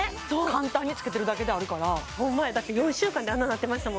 簡単につけてるだけであるからホンマやだって４週間であんなんなってました